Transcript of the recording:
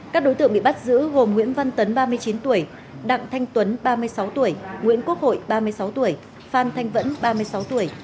các đối tượng bị bắt giữ gồm nguyễn văn tấn ba mươi chín tuổi đặng thanh tuấn ba mươi sáu tuổi nguyễn quốc hội ba mươi sáu tuổi phan thanh vẫn ba mươi sáu tuổi